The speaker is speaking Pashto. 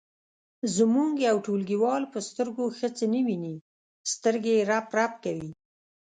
زموږ یو ټولګیوال په سترګو ښه څه نه ویني سترګې یې رپ رپ کوي.